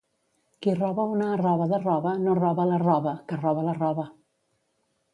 Qui roba una arrova de roba no roba l'arrova, que roba la roba.